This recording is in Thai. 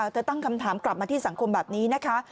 ตั้งคำถามกลับมาที่สังคมแบบนี้นะคะ